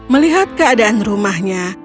melihat keadaan rumahnya